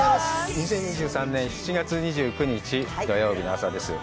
２０２３年７月２９日、土曜日の朝です。